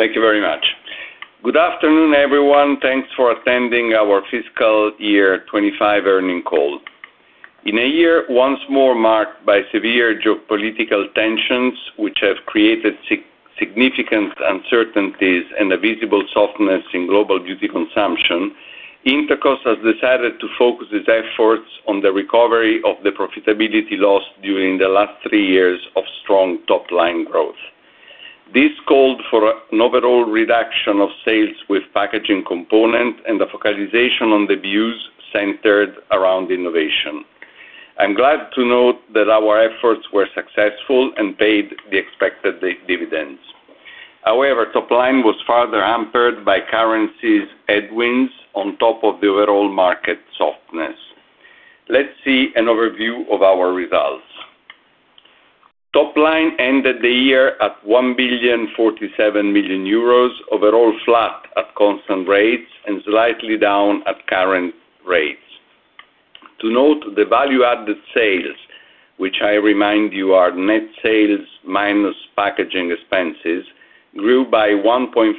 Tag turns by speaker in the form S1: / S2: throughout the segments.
S1: Thank you very much. Good afternoon, everyone. Thanks for attending our Fiscal Year 2025 Earning Call. In a year once more marked by severe geopolitical tensions, which have created significant uncertainties and a visible softness in global beauty consumption, Intercos has decided to focus its efforts on the recovery of the profitability lost during the last three years of strong top-line growth. This called for an overall reduction of sales with packaging component and the focalization on the views centered around innovation. I'm glad to note that our efforts were successful and paid the expected dividends. However, top line was further hampered by currencies headwinds on top of the overall market softness. Let's see an overview of our results. Top line ended the year at 1.047 billion, overall flat at constant rates and slightly down at current rates. To note, the value-added sales, which I remind you are net sales minus packaging expenses, grew by 1.5%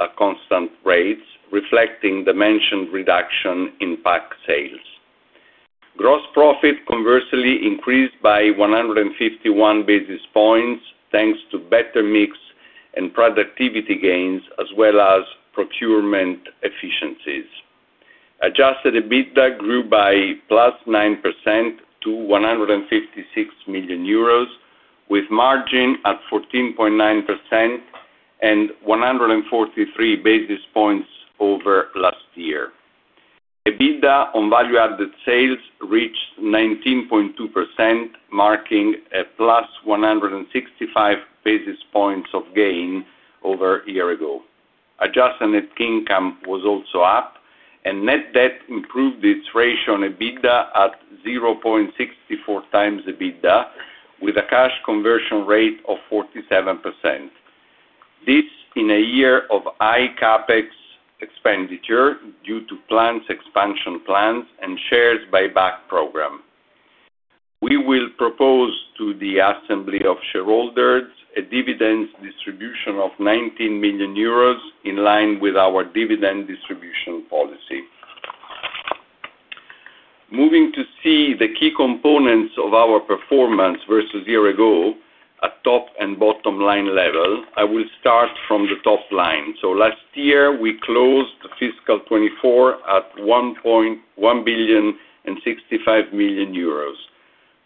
S1: at constant rates, reflecting the mentioned reduction in pack sales. Gross profit conversely increased by 151 basis points, thanks to better mix and productivity gains as well as procurement efficiencies. Adjusted EBITDA grew by +9% to 156 million euros, with margin at 14.9% and 143 basis points over last year. EBITDA on value-added sales reached 19.2%, marking a +165 basis points of gain over a year ago. Adjusted net income was also up, net debt improved its ratio on EBITDA at 0.64x EBITDA, with a cash conversion rate of 47%. This in a year of high CapEx expenditure due to plants expansion plans and shares buyback program. We will propose to the assembly of shareholders a dividend distribution of 19 million euros in line with our dividend distribution policy. Moving to see the key components of our performance versus year ago at top and bottom line level, I will start from the top line. Last year, we closed the fiscal 2024 at 1.065 billion.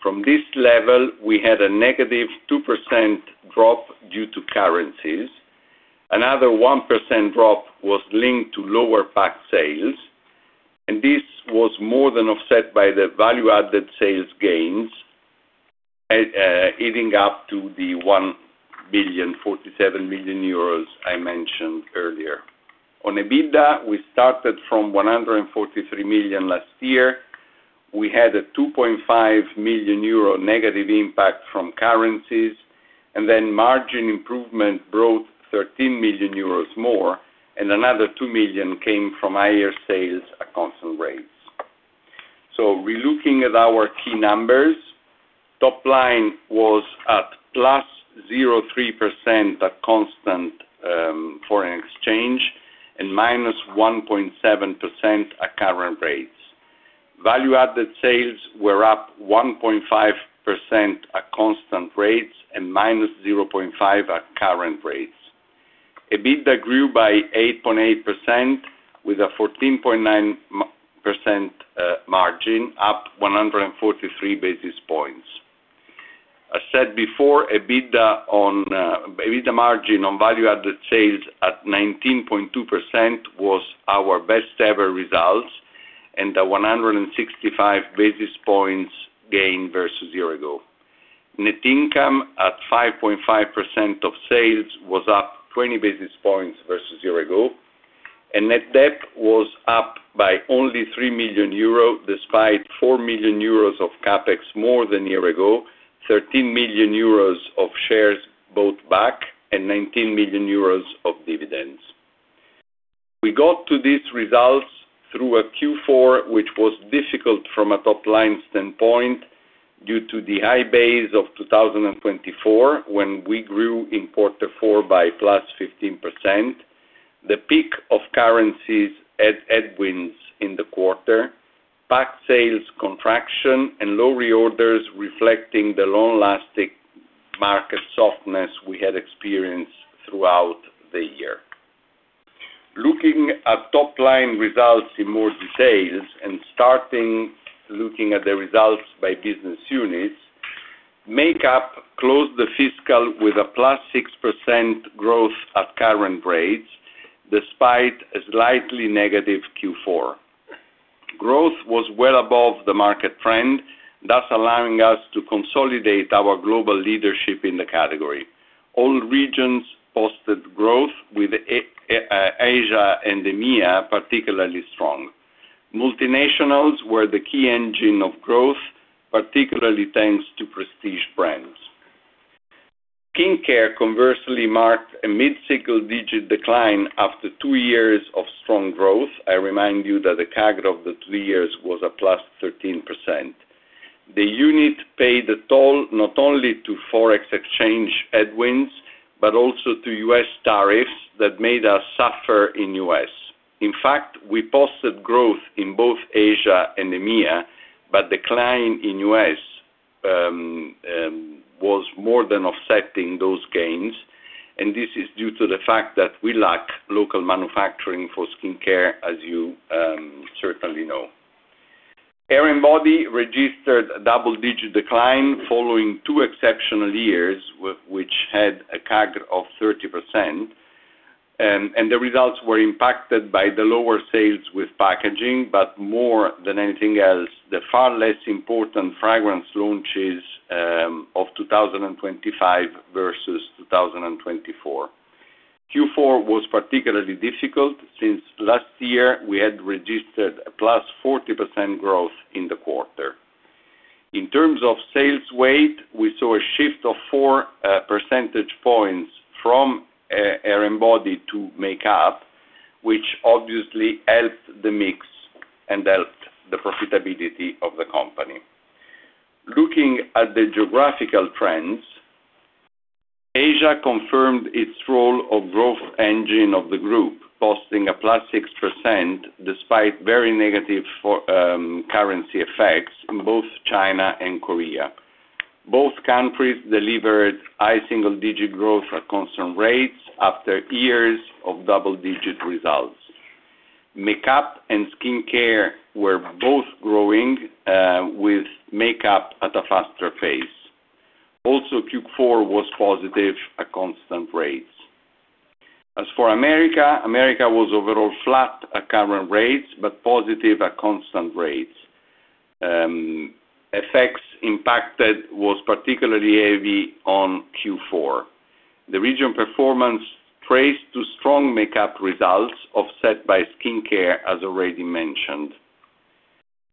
S1: From this level, we had a negative 2% drop due to currencies. Another 1% drop was linked to lower pack sales, and this was more than offset by the value-added sales gains, adding up to 1.047 billion I mentioned earlier. On EBITDA, we started from 143 million last year. We had a 2.5 million euro negative impact from currencies, and then margin improvement brought 13 million euros more, and another 2 million came from higher sales at constant rates. Relooking at our key numbers, top line was at +0.3% at constant foreign exchange and -1.7% at current rates. Value-added sales were up 1.5% at constant rates and -0.5% at current rates. EBITDA grew by 8.8% with a 14.9% margin, up 143 basis points. I said before, EBITDA margin on Value-added sales at 19.2% was our best ever results and a 165 basis points gain versus year ago. Net income at 5.5% of sales was up 20 basis points versus year ago. Net debt was up by only 3 million euro, despite 4 million euros of CapEx more than a year ago, 13 million euros of shares bought back, and 19 million euros of dividends. We got to these results through a Q4, which was difficult from a top-line standpoint due to the high base of 2024, when we grew in quarter four by +15%, the peak of currencies as headwinds in the quarter, pack sales contraction, and low reorders reflecting the long-lasting market softness we had experienced throughout the year. Looking at top-line results in more details and starting looking at the results by business units, makeup closed the fiscal with a +6% growth at current rates, despite a slightly negative Q4. Growth was well above the market trend, thus allowing us to consolidate our global leadership in the category. All regions posted growth with Asia and EMEA, particularly strong. Multinationals were the key engine of growth, particularly thanks to prestige brands. Skincare conversely marked a mid-single-digit decline after two years of strong growth. I remind you that the CAGR of the three years was a +13%. The unit paid a toll not only to forex exchange headwinds, but also to U.S. tariffs that made us suffer in U.S. We posted growth in both Asia and EMEA, but decline in U.S. was more than offsetting those gains, this is due to the fact that we lack local manufacturing for skincare, as you certainly know. Hair and body registered a double-digit decline following two exceptional years which had a CAGR of 30%. The results were impacted by the lower sales with packaging. More than anything else, the far less important fragrance launches of 2025 versus 2024. Q4 was particularly difficult since last year we had registered a +40% growth in the quarter. In terms of sales weight, we saw a shift of 4 percentage points from hair and body to makeup, which obviously helped the mix and helped the profitability of the company. Looking at the geographical trends, Asia confirmed its role of growth engine of the group, posting a +6% despite very negative for currency effects in both China and Korea. Both countries delivered high single-digit growth at constant rates after years of double-digit results. Makeup and skincare were both growing with makeup at a faster pace. Q4 was positive at constant rates. As for America was overall flat at current rates, but positive at constant rates. Effects impacted was particularly heavy on Q4. The region performance traced to strong makeup results offset by skincare, as already mentioned.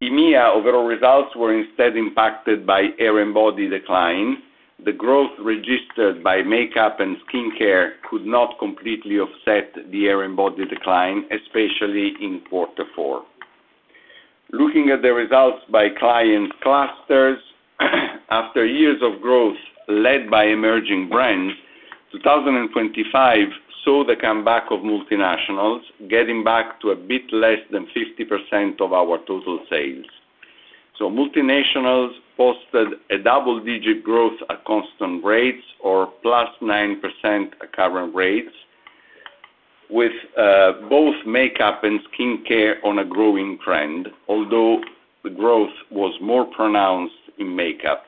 S1: EMEA overall results were instead impacted by hair and body decline. The growth registered by makeup and skincare could not completely offset the hair and body decline, especially in quarter four. Looking at the results by client clusters, after years of growth led by emerging brands, 2025 saw the comeback of multinationals getting back to a bit less than 50% of our total sales. Multinationals posted a double-digit growth at constant rates or +9% at current rates with both makeup and skincare on a growing trend, although the growth was more pronounced in makeup.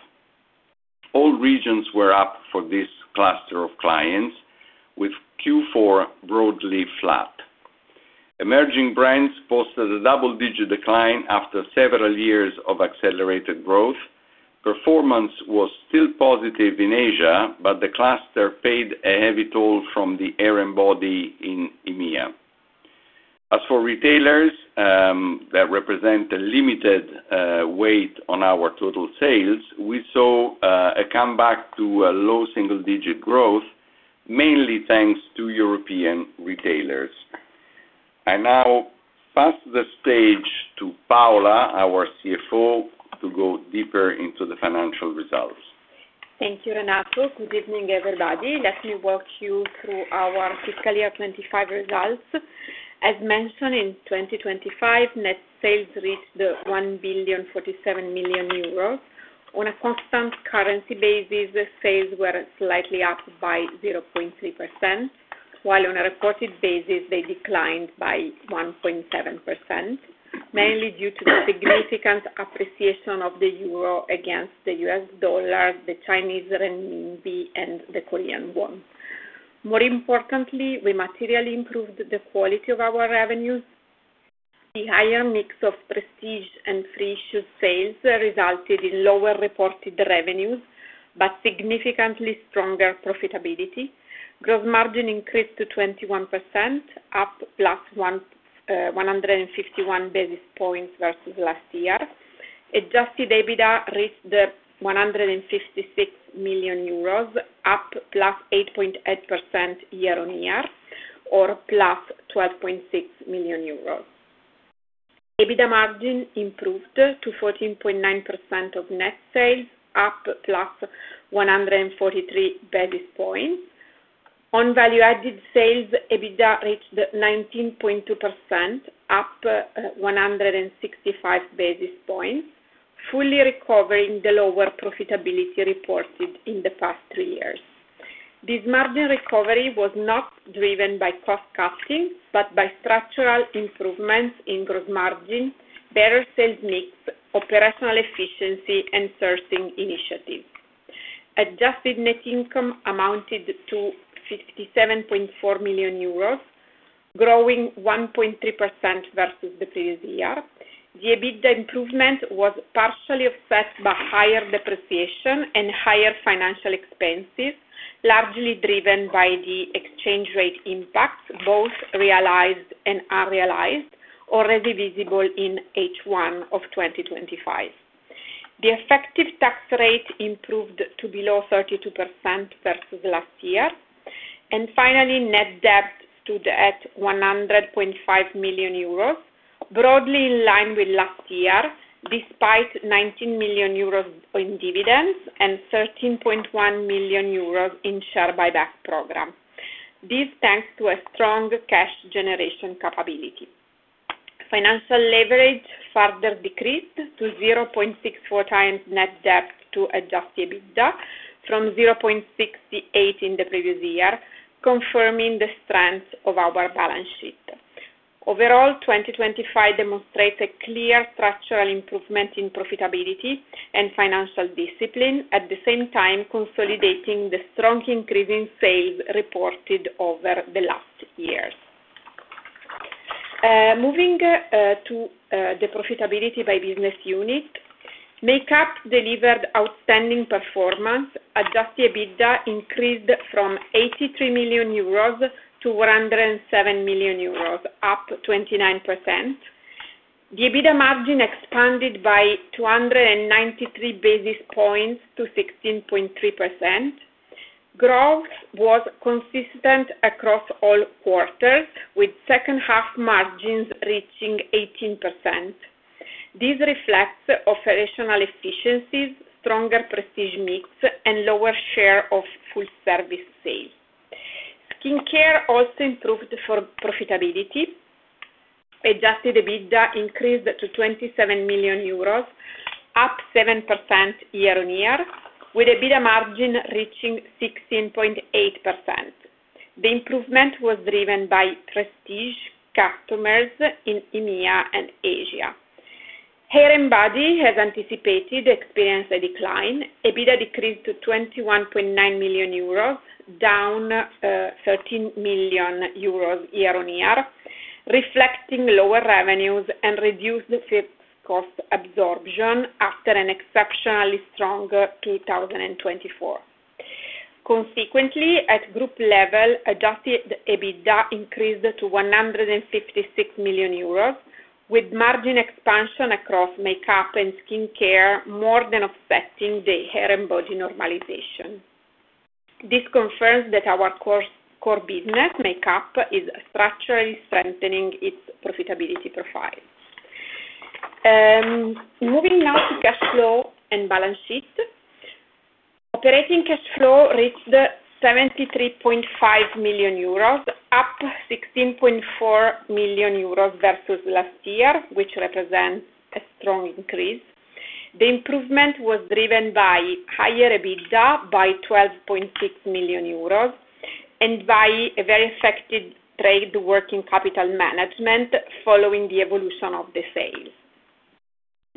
S1: All regions were up for this cluster of clients, with Q4 broadly flat. Emerging brands posted a double-digit decline after several years of accelerated growth. Performance was still positive in Asia, but the cluster paid a heavy toll from the hair and body in EMEA. As for retailers, that represent a limited weight on our total sales, we saw a comeback to a low single-digit growth, mainly thanks to European retailers. I now pass the stage to Paola, our CFO, to go deeper into the financial results.
S2: Thank you, Renato. Good evening, everybody. Let me walk you through our fiscal year 2025 results. As mentioned, in 2025, net sales reached 1,047 million euros. On a constant currency basis, the sales were slightly up by 0.3%, while on a reported basis, they declined by 1.7%, mainly due to the significant appreciation of the euro against the U.S. dollar, the Chinese renminbi, and the Korean won. More importantly, we materially improved the quality of our revenues. The higher mix of prestige and free issue sales resulted in lower reported revenues, but significantly stronger profitability. Gross margin increased to 21%, up +151 basis points versus last year. Adjusted EBITDA reached 156 million euros, up +8.8% year-on-year or 12.6 million euros+. EBITDA margin improved to 14.9% of net sales, up +143 basis points. On value-added sales, EBITDA reached 19.2%, up 165 basis points, fully recovering the lower profitability reported in the past three years. This margin recovery was not driven by cost cutting, but by structural improvements in gross margin, better sales mix, operational efficiency, and sourcing initiatives. Adjusted net income amounted to 57.4 million euros, growing 1.3% versus the previous year. The EBITDA improvement was partially offset by higher depreciation and higher financial expenses, largely driven by the exchange rate impacts, both realized and unrealized, already visible in H1 of 2025. The effective tax rate improved to below 32% versus last year. Finally, net debt stood at 100.5 million euros, broadly in line with last year, despite 19 million euros in dividends and 13.1 million euros in share buyback program. This thanks to a strong cash generation capability. Financial leverage further decreased to 0.64x net debt to adjusted EBITDA from 0.68x in the previous year, confirming the strength of our balance sheet. Overall, 2025 demonstrates a clear structural improvement in profitability and financial discipline, at the same time consolidating the strong increase in sales reported over the last years. Moving to the profitability by business unit, makeup delivered outstanding performance. Adjusted EBITDA increased from 83 million euros to 107 million euros, up 29%. The EBITDA margin expanded by 293 basis points to 16.3%. Growth was consistent across all quarters, with second half margins reaching 18%. This reflects operational efficiencies, stronger prestige mix, and lower share of full service sales. Skincare also improved for profitability. Adjusted EBITDA increased to 27 million euros, up 7% year-on-year, with EBITDA margin reaching 16.8%. The improvement was driven by prestige customers in EMEA and Asia. Hair and body, as anticipated, experienced a decline. EBITDA decreased to 21.9 million euros, down 13 million euros year-on-year, reflecting lower revenues and reduced fixed cost absorption after an exceptionally strong 2024. At group level, adjusted EBITDA increased to 156 million euros, with margin expansion across makeup and skincare more than offsetting the hair and body normalization. This confirms that our core business, makeup, is structurally strengthening its profitability profile. Moving now to cash flow and balance sheet. Operating cash flow reached 73.5 million euros, up 16.4 million euros versus last year, which represents a strong increase. The improvement was driven by higher EBITDA by 12.6 million euros, and by a very effective trade working capital management following the evolution of the sales.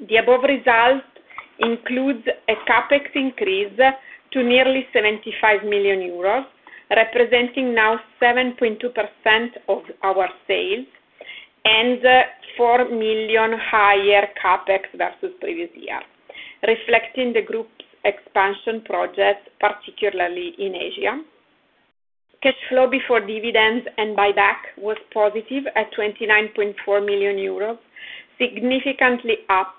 S2: The above results includes a CapEx increase to nearly 75 million euros, representing now 7.2% of our sales, and 4 million higher CapEx versus previous year, reflecting the group's expansion project, particularly in Asia. Cash flow before dividends and buyback was positive at 29.4 million euros, significantly up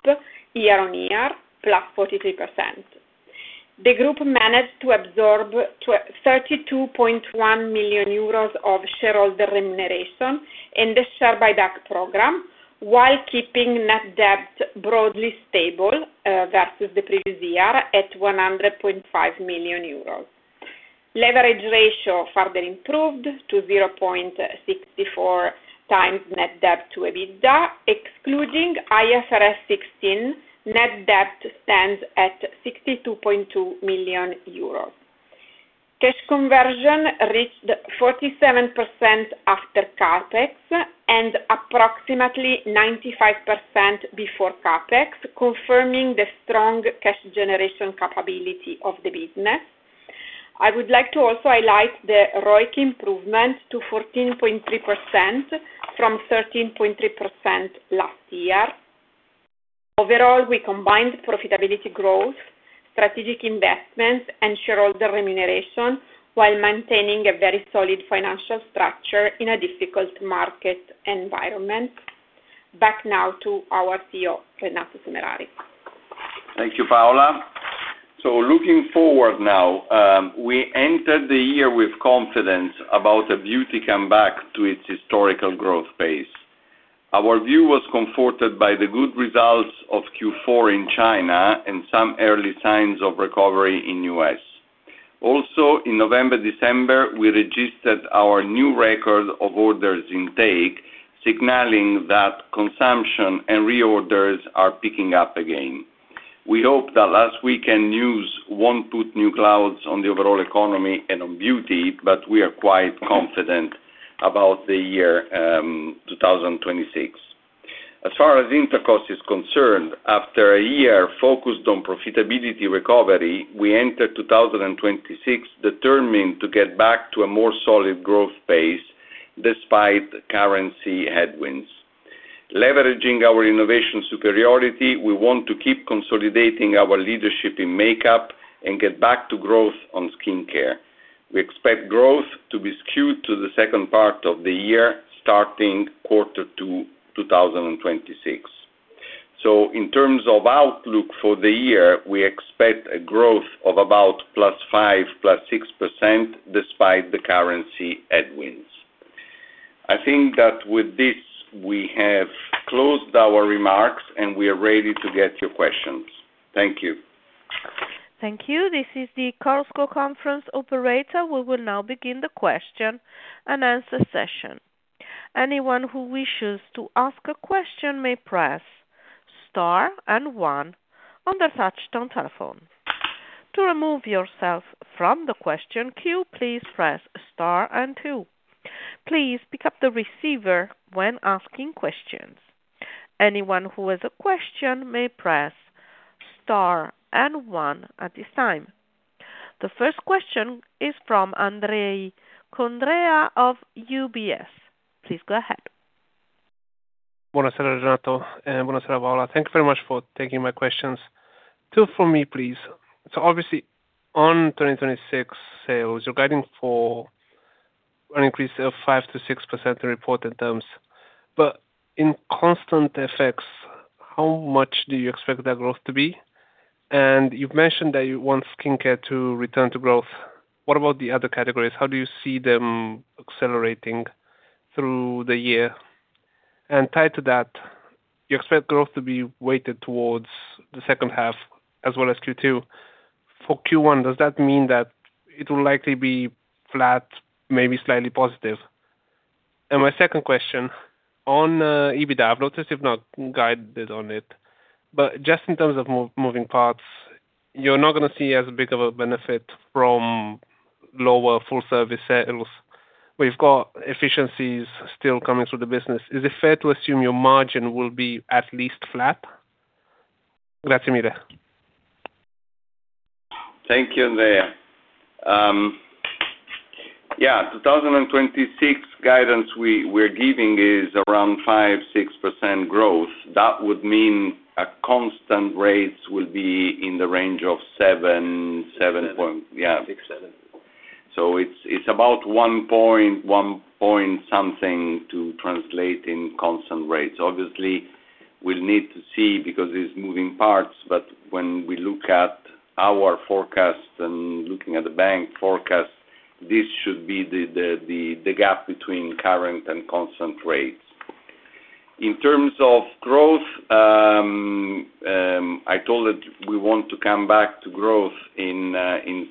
S2: year-on-year, +43%. The group managed to absorb 32.1 million euros of shareholder remuneration in the share buyback program while keeping net debt broadly stable versus the previous year at 100.5 million euros. Leverage ratio further improved to 0.64x net debt to EBITDA. Excluding IFRS 16, net debt stands at 62.2 million euros. Cash conversion reached 47% after CapEx and approximately 95% before CapEx, confirming the strong cash generation capability of the business. I would like to also highlight the ROIC improvement to 14.3% from 13.3% last year. Overall, we combined profitability growth, strategic investments, and shareholder remuneration while maintaining a very solid financial structure in a difficult market environment. Back now to our CEO, Renato Semerari.
S1: Thank you, Paola. Looking forward now, we entered the year with confidence about the beauty comeback to its historical growth phase. Our view was comforted by the good results of Q4 in China and some early signs of recovery in U.S. Also, in November, December, we registered our new record of orders intake, signaling that consumption and reorders are picking up again. We hope that last weekend news won't put new clouds on the overall economy and on beauty, but we are quite confident about the year 2026. As far as Intercos is concerned, after a year focused on profitability recovery, we enter 2026 determined to get back to a more solid growth phase despite currency headwinds. Leveraging our innovation superiority, we want to keep consolidating our leadership in makeup and get back to growth on skincare. We expect growth to be skewed to the second part of the year starting quarter two, 2026. In terms of outlook for the year, we expect a growth of about +5%, +6% despite the currency headwinds. I think that with this, we have closed our remarks, and we are ready to get your questions. Thank you.
S3: Thank you. This is the Chorus Call Conference operator. We will now begin the question-and-answer session. Anyone who wishes to ask a question may press Star and one on their touch-tone telephone. To remove yourself from the question queue, please press Star and two. Please pick up the receiver when asking questions. Anyone who has a question may press Star and one at this time. The first question is from [Andrea Kundrea] of UBS. Please go ahead.
S4: Thank you very much for taking my questions. Two for me, please. Obviously on 2026 sales, you're guiding for an increase of 5%-6% in reported terms. In constant effects, how much do you expect that growth to be? You've mentioned that you want skincare to return to growth. What about the other categories? How do you see them accelerating through the year? Tied to that, you expect growth to be weighted towards the second half as well as Q2. For Q1, does that mean that it will likely be flat, maybe slightly positive? My second question on EBITDA, I've noticed you've not guided on it, but just in terms of moving parts, you're not gonna see as big of a benefit from lower full service sales. We've got efficiencies still coming through the business. Is it fair to assume your margin will be at least flat?
S1: Thank you, Andrea. 2026 guidance we're giving is around 5%-6% growth. That would mean a constant rates will be in the range of 7%. 6%, 7%. It's about 1 point something to translate in constant rates. Obviously, we'll need to see because it's moving parts, but when we look at our forecast and looking at the bank forecast, this should be the gap between current and constant rates. In terms of growth, I told that we want to come back to growth in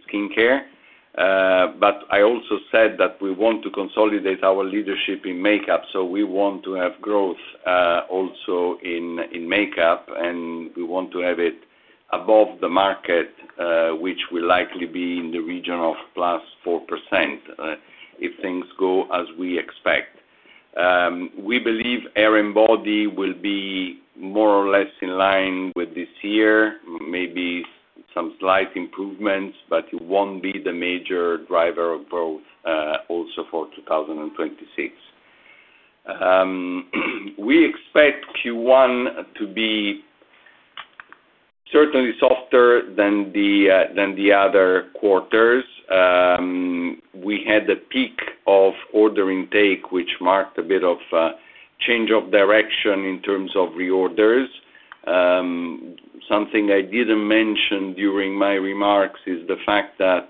S1: skincare, but I also said that we want to consolidate our leadership in makeup. We want to have growth also in makeup, and we want to have it above the market, which will likely be in the region of +4%, if things go as we expect. We believe hair and body will be more or less in line with this year, maybe some slight improvements, but it won't be the major driver of growth also for 2026. We expect Q1 to be certainly softer than the other quarters. We had a peak of order intake, which marked a bit of a change of direction in terms of reorders. Something I didn't mention during my remarks is the fact that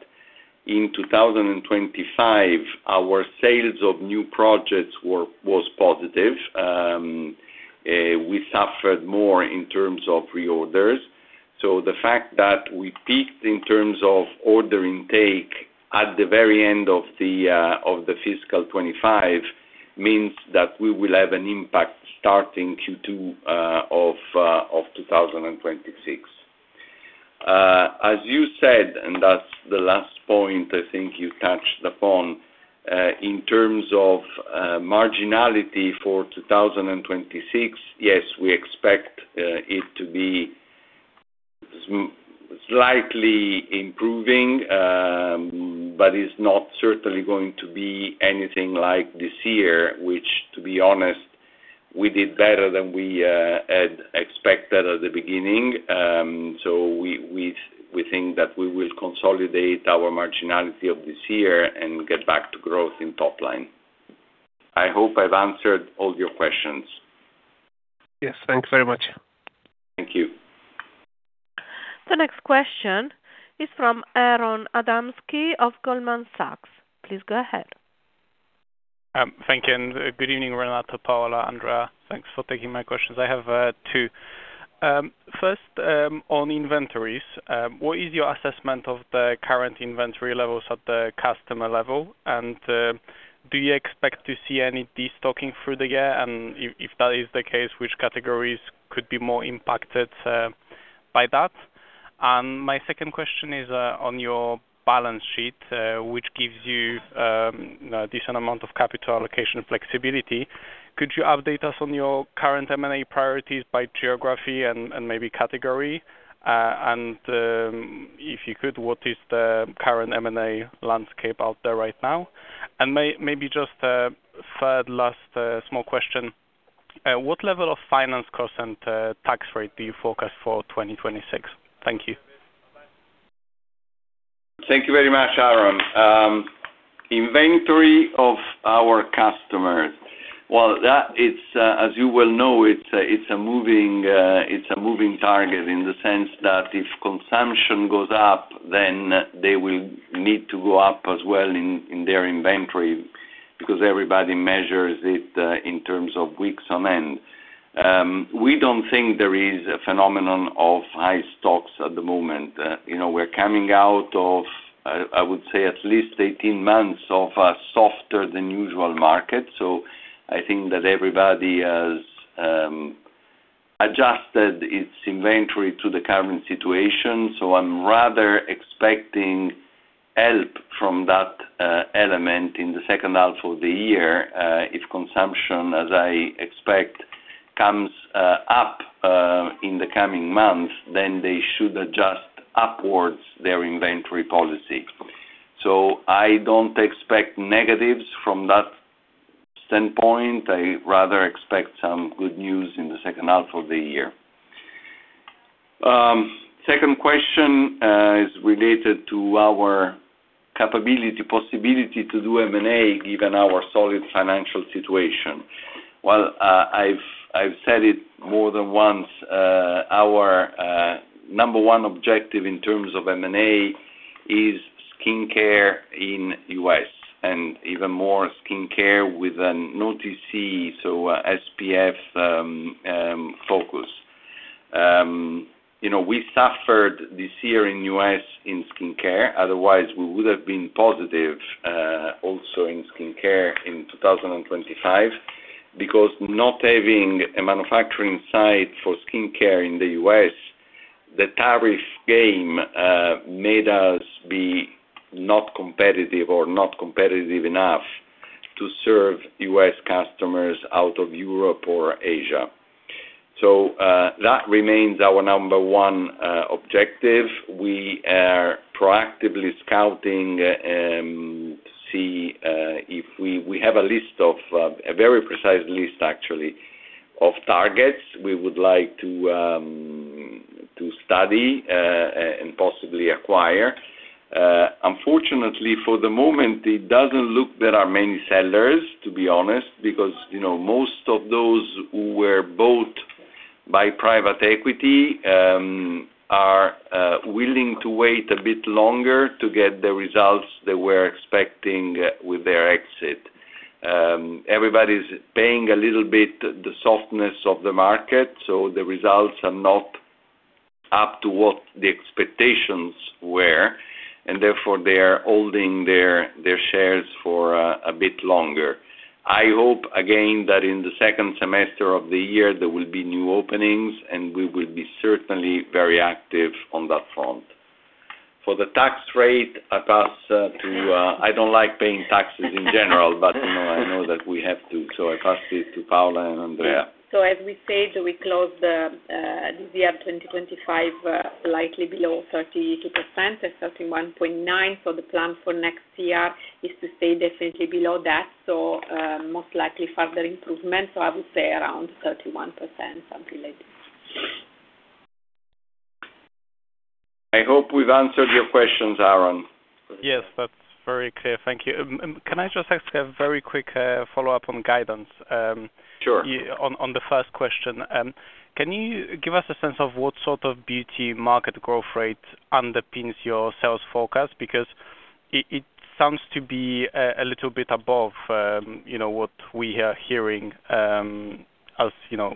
S1: in 2025, our sales of new projects was positive. We suffered more in terms of reorders. The fact that we peaked in terms of order intake at the very end of the fiscal 2025 means that we will have an impact starting Q2 of 2026. As you said, and that's the last point I think you touched upon, in terms of marginality for 2026, yes, we expect it to be slightly improving, but it's not certainly going to be anything like this year, which to be honest, we did better than we had expected at the beginning. So we think that we will consolidate our marginality of this year and get back to growth in top line. I hope I've answered all your questions.
S5: Yes, thanks very much.
S1: Thank you.
S3: The next question is from Aron Adamski of Goldman Sachs. Please go ahead.
S6: Thank you, and good evening, Renato, Paola, Andrea. Thanks for taking my questions. I have two. First, on inventories, what is your assessment of the current inventory levels at the customer level? Do you expect to see any destocking through the year? If that is the case, which categories could be more impacted by that? My second question is on your balance sheet, which gives you a decent amount of capital allocation flexibility. Could you update us on your current M&A priorities by geography and maybe category? If you could, what is the current M&A landscape out there right now? Maybe just a third last small question. What level of finance cost and tax rate do you forecast for 2026? Thank you.
S1: Thank you very much, Aaron. Inventory of our customers. Well, that is, as you well know, it's a moving, it's a moving target in the sense that if consumption goes up, then they will need to go up as well in their inventory because everybody measures it in terms of weeks on end. We don't think there is a phenomenon of high stocks at the moment. You know, we're coming out of, I would say at least 18 months of a softer than usual market. I think that everybody has adjusted its inventory to the current situation. I'm rather expecting help from that element in the second half of the year. If consumption, as I expect, comes up in the coming months, then they should adjust upwards their inventory policy. I don't expect negatives from that standpoint. I rather expect some good news in the second half of the year. Second question is related to our capability, possibility to do M&A given our solid financial situation. Well, I've said it more than once, our number one objective in terms of M&A is skincare in U.S., and even more skincare with an OTC, so SPF focus. You know, we suffered this year in U.S. in skincare, otherwise we would have been positive also in skincare in 2025. Because not having a manufacturing site for skincare in the U.S., the tariff game made us be not competitive or not competitive enough to serve U.S. customers out of Europe or Asia. That remains our number one objective. We are proactively scouting to see if we have a list of a very precise list actually of targets we would like to study and possibly acquire. Unfortunately, for the moment, it doesn't look there are many sellers, to be honest. You know, most of those who were bought by private equity are willing to wait a bit longer to get the results they were expecting with their exit. Everybody's paying a little bit the softness of the market, so the results are not up to what the expectations were, therefore they are holding their shares for a bit longer. I hope again, that in the second semester of the year, there will be new openings and we will be certainly very active on that front. For the tax rate, I pass to, I don't like paying taxes in general, but, you know, I know that we have to, so I pass it to Paula and Andrea.
S2: As we said, we closed the year 2025 slightly below 32% at 31.9%. The plan for next year is to stay definitely below that. Most likely further improvement. I would say around 31%, something like this.
S1: I hope we've answered your questions, Aaron.
S6: Yes, that's very clear. Thank you. Can I just ask a very quick follow-up on guidance?
S1: Sure.
S6: On the first question, can you give us a sense of what sort of beauty market growth rate underpins your sales forecast? Because it sounds to be a little bit above, you know, what we are hearing, as, you know,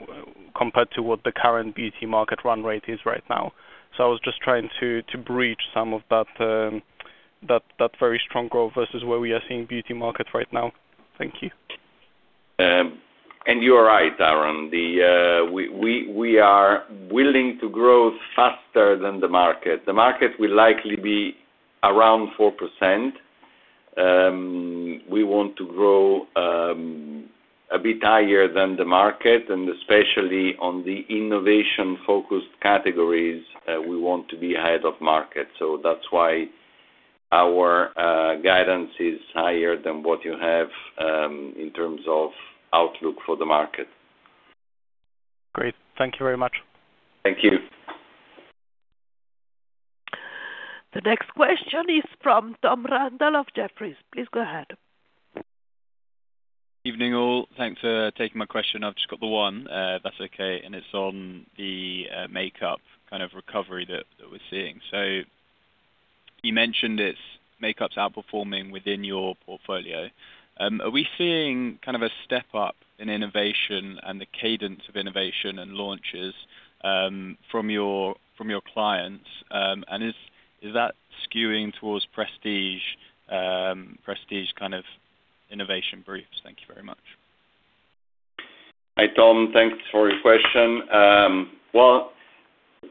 S6: compared to what the current beauty market run rate is right now. I was just trying to bridge some of that very strong growth versus where we are seeing beauty market right now. Thank you.
S1: You are right, Aron. We are willing to grow faster than the market. The market will likely be around 4%. We want to grow a bit higher than the market, and especially on the innovation-focused categories, we want to be ahead of market. That's why our guidance is higher than what you have in terms of outlook for the market.
S6: Great. Thank you very much.
S1: Thank you.
S3: The next question is from [Tom Randall] of Jefferies. Please go ahead.
S7: Evening, all. Thanks for taking my question. I've just got the one, if that's okay, and it's on the makeup kind of recovery that we're seeing. You mentioned it's makeup's outperforming within your portfolio. Are we seeing kind of a step up in innovation and the cadence of innovation and launches from your clients? Is that skewing towards prestige kind of innovation briefs? Thank you very much.
S1: Hi, Marco. Thanks for your question. Well,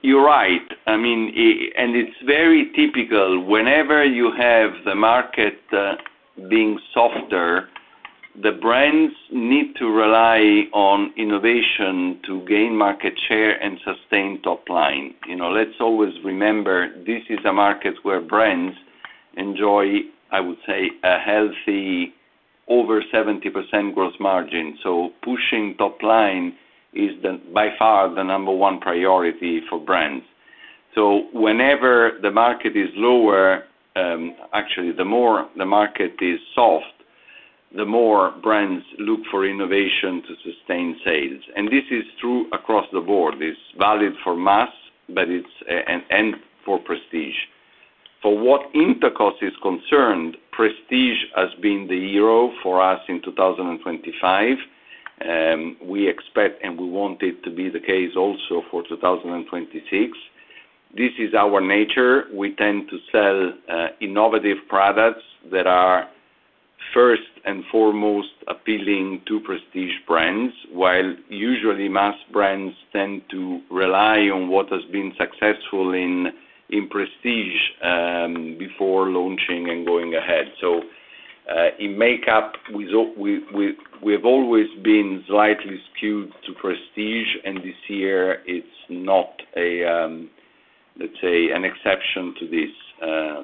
S1: you're right. I mean, it's very typical. Whenever you have the market being softer, the brands need to rely on innovation to gain market share and sustain top line. You know, let's always remember, this is a market where brands enjoy, I would say, a healthy over 70% gross margin. Pushing top line is the, by far, the number one priority for brands. Whenever the market is lower, actually the more the market is soft, the more brands look for innovation to sustain sales. This is true across the board. It's valid for mass, but it's, and for prestige. For what Intercos is concerned, prestige has been the hero for us in 2025. We expect, and we want it to be the case also for 2026. This is our nature. We tend to sell innovative products that are first and foremost appealing to prestige brands, while usually mass brands tend to rely on what has been successful in prestige, before launching and going ahead. In makeup, we've always been slightly skewed to prestige, and this year it's not a, let's say, an exception to this,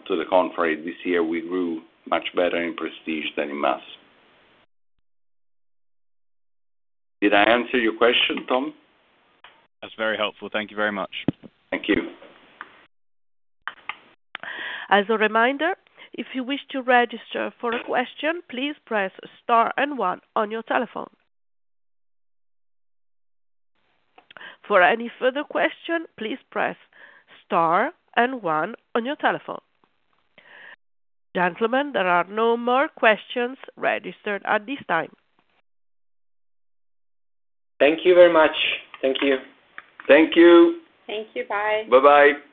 S1: to the contrary. This year, we grew much better in prestige than in mass. Did I answer your question, Tom?
S8: That's very helpful. Thank you very much.
S1: Thank you.
S3: As a reminder, if you wish to register for a question, please press star and one on your telephone. For any further question, please press star and one on your telephone. Gentlemen, there are no more questions registered at this time.
S9: Thank you very much. Thank you.
S1: Thank you.
S2: Thank you. Bye.
S1: Bye-bye.